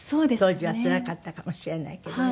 当時はつらかったかもしれないけどね。